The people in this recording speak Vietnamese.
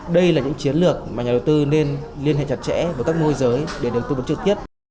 đây là những chiến lược mà nhà đầu tư nên liên hệ chặt chẽ với các môi giới để được tư vấn trực tiếp